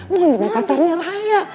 mondi mah pacarnya raya